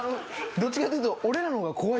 どっちかというと。